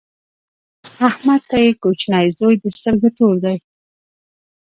احمد ته یې خپل کوچنۍ زوی د سترګو تور دی.